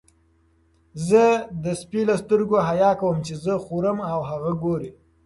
زه د سپي له سترګو حیا کوم چې زه خورم او هغه ګوري.